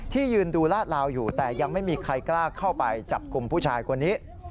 ยืนดูลาดลาวอยู่แต่ยังไม่มีใครกล้าเข้าไปจับกลุ่มผู้ชายคนนี้